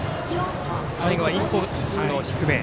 最後はインコースの低め。